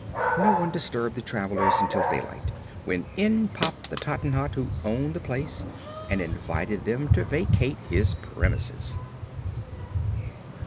No one disturbed the travelers until daylight, when in popped the Tottenhot who owned the place and invited them to vacate his premises.